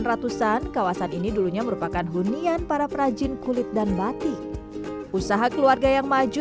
seribu delapan ratus an kawasan ini dulunya merupakan hunian para perajin kulit dan batik usaha keluarga yang maju